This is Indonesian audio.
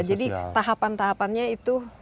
jadi tahapan tahapannya itu